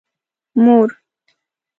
مور